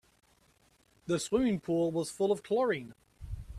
The swimming pool was full of chlorine.